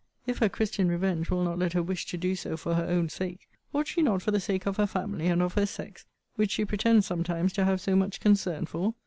If her christian revenge will not let her wish to do so for her own sake, ought she not for the sake of her family, and of her sex, which she pretends sometimes to have so much concern for?